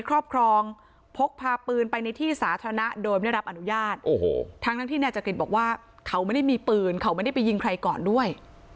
เขาไม่ได้มีปืนเขาไม่ได้ไปยิงใครก่อนด้วย